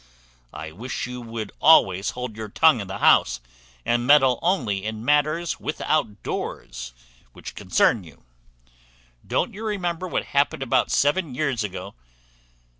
I wish you would always hold your tongue in the house, and meddle only in matters without doors, which concern you. Don't you remember what happened about seven years ago?"